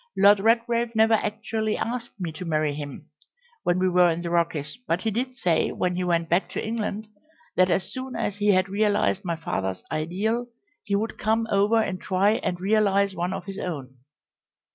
Lord Redgrave never actually asked me to marry him when we were in the Rockies, but he did say when he went back to England that as soon as he had realised my father's ideal he would come over and try and realise one of his own.